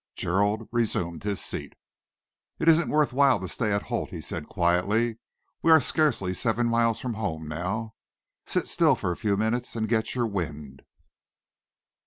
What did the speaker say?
Gerald resumed his seat. "It isn't worth while to stay at Holt," he said quietly. "We are scarcely seven miles from home now. Sit still for a few minutes and get your wind."